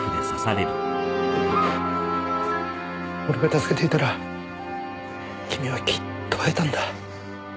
俺が助けていたら君はきっと会えたんだ。